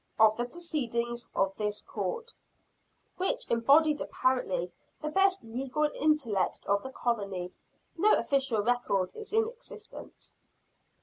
Of the proceedings of this court, which embodied apparently the best legal intellect of the colony, no official record is in existence.